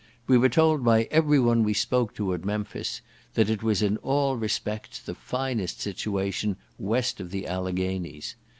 We were told by everyone we spoke to at Memphis, that it was in all respects the finest situation west of the Alleghanies.